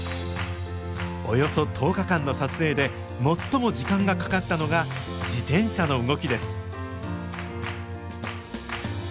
およそ１０日間の撮影で最も時間がかかったのが自転車の動きです。